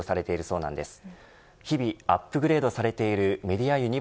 そうなんですね。